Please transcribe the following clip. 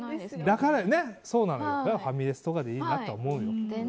だからファミレスとかでいいなって思うの。